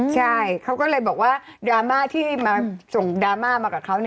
ใช่เขาก็เลยบอกว่าดราม่าที่มาส่งดราม่ามากับเขา